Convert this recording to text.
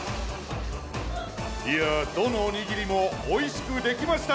いやどのおにぎりもおいしくできました。